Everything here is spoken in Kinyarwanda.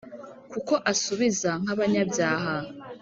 kuko asubiza nk’abanyabyaha